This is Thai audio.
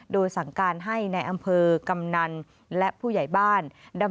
โดยสั่งการให้ในอำเภอกำนันและผู้ใหญ่บ้าน